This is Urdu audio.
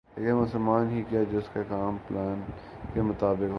لیکن وہ مسلمان ہی کیا جس کے کام پلان کے مطابق ہوسک